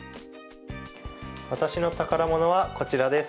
私の宝物はこちらです。